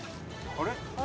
あれ？